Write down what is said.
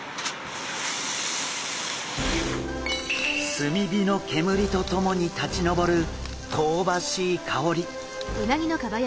炭火の煙とともに立ちのぼる香ばしい香り。